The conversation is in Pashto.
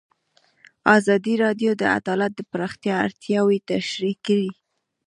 ازادي راډیو د عدالت د پراختیا اړتیاوې تشریح کړي.